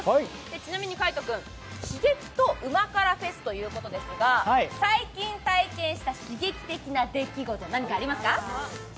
ちなみに海音君、刺激と旨辛ＦＥＳということですが、最近体験した刺激的な出来事、何かありますか？